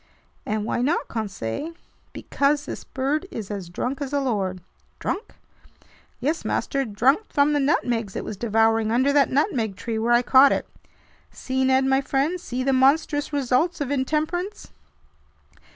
"And why not, Conseil?" "Because this bird is as drunk as a lord." "Drunk?" "Yes, master, drunk from the nutmegs it was devouring under that nutmeg tree where I caught it. See, Ned my friend, see the monstrous results of intemperance!"